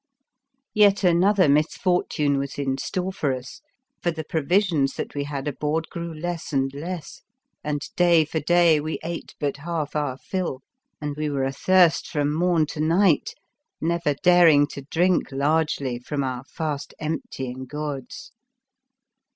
Yet another misfortune was in store for us, for the provisions that we had aboard grew less and less, and day for day we ate but half our fill and 131 The Fearsome Island we were athirst from morn to night, never daring to drink largely from our fast emptying gourds.